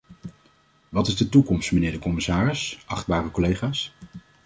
Wat is de toekomst, mijnheer de commissaris, achtbare collega's?